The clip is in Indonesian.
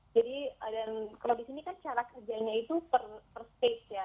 jadi kalau di sini kan cara kerjanya itu per stage ya